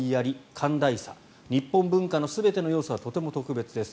寛大さ日本文化の全ての要素はとても特別です。